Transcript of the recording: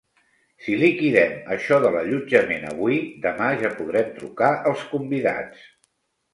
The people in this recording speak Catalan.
Si liquidem això de l'allotjament avui, demà ja podrem trucar als convidats.